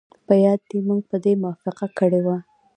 په یاد دي موږ په دې موافقه کړې وه